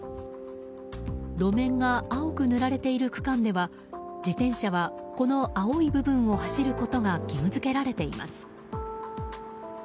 路面が青く塗られている区間では自転車はこの青い部分を走ることが義務付けられています。